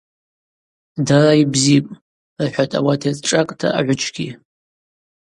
Дара йбзипӏ, – рхӏватӏ ауат йацшӏакӏта агӏвыджьгьи.